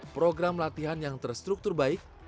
program latihan yang terstruktur baik